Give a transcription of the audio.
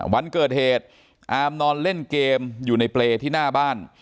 วันเกิดเหตุอาร์มนอนเล่นเกมอยู่ในเปรย์ที่หน้าบ้าน